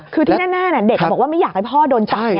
คือที่แน่เด็กบอกว่าไม่อยากให้พ่อโดนจับ